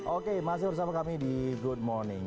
oke masih bersama kami di good morning